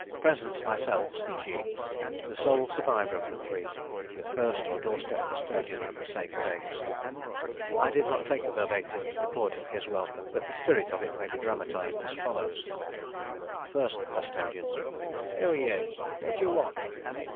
Present, myself, C. G., the sole survivor of the three, with First or Doorstep Custodian of the Sacred Eggs. I did not take a verbatim report of his welcome; but the spirit of it may be dramatized as follows: FIRST CUSTODIAN. Who are you? What do you want?